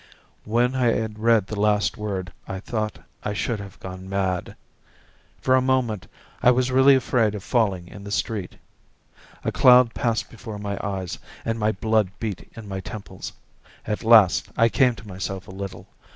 When I had read the last word, I thought I should have gone mad. For a moment I was really afraid of falling in the street. A cloud passed before my eyes and my blood beat in my temples. At last I came to myself a little.